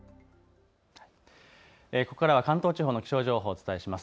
関東地方の気象情報をお伝えします。